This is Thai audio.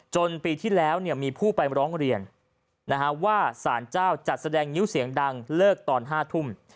ปีที่แล้วมีผู้ไปร้องเรียนว่าสารเจ้าจัดแสดงงิ้วเสียงดังเลิกตอน๕ทุ่ม